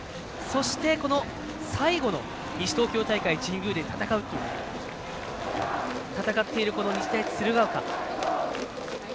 そして最後の西東京大会、神宮で戦っている日大鶴ヶ丘。